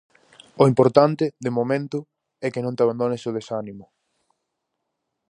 O importante, de momento, é que non te abandones ó desánimo.